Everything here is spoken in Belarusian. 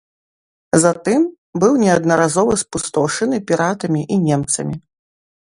Затым быў неаднаразова спустошаны піратамі і немцамі.